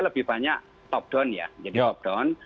lebih banyak top down